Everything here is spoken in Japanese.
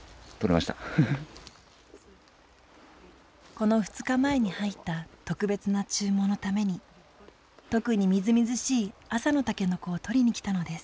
この２日前に入った特別な注文のために特にみずみずしい朝のたけのこを採りに来たのです。